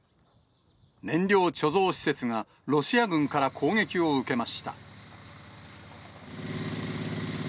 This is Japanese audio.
燃料貯蔵施設がロシア軍から攻撃を受けました。